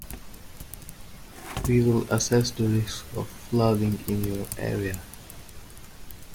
We will assess the risk of flooding in your area.